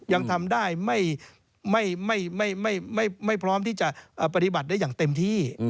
ยังทำได้ไม่พร้อมที่จะปฏิบัติได้อย่างเต็มที่